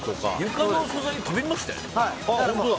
床の素材、飛びましたよね。